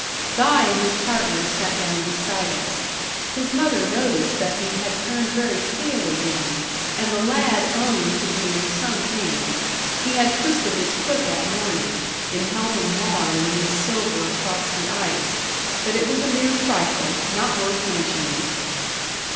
Guy and his partner sat down beside us. His mother noticed that he had turned very pale again, and the lad owned to be in some pain: he had twisted his foot that morning, in helping Maud and Miss Silver across the ice; but it was a mere trifle not worth mentioning.